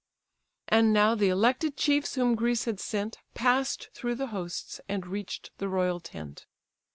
And now the elected chiefs whom Greece had sent, Pass'd through the hosts, and reach'd the royal tent.